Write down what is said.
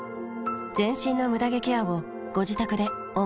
全身のムダ毛ケアをご自宅で思う存分。